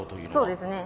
そうですね。